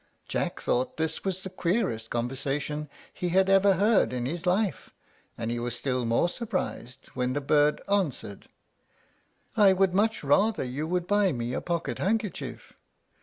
Jack thought this was the queerest conversation he had ever heard in his life; and he was still more surprised when the bird answered, "I would much rather you would buy me a pocket handkerchief.